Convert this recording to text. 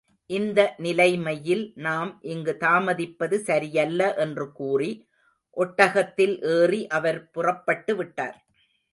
இந்த நிலைமையில் நாம் இங்கு தாமதிப்பது சரியல்ல என்று கூறி, ஒட்டகத்தில் ஏறி அவர் புறப்பட்டு விட்டார்.